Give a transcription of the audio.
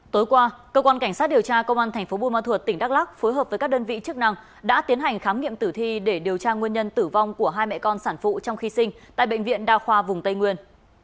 tối qua cơ quan cảnh sát điều tra công an thành phố buôn ma thuột tỉnh đắk lắc phối hợp với các đơn vị chức năng đã tiến hành khám nghiệm tử thi để điều tra nguyên nhân tử vong của hai mẹ con sản phụ trong khi sinh tại bệnh viện đa khoa vùng tây nguyên